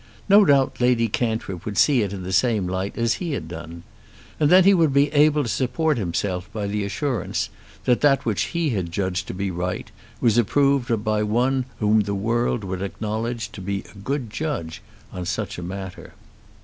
No doubt Lady Cantrip would see it in the same light as he had done. And then he would be able to support himself by the assurance that that which he had judged to be right was approved of by one whom the world would acknowledge to be a good judge on such a matter.